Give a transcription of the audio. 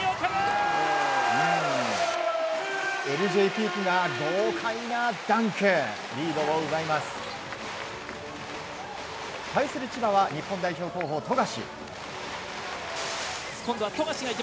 Ｌ．Ｊピークが豪快なダンク！対する千葉は日本代表候補、富樫。